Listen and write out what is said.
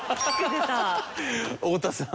太田さん。